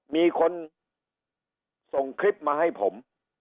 มีคนส่งคลิปมาให้ผม